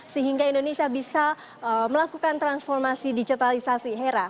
sehingga indonesia bisa melakukan transformasi digitalisasi hera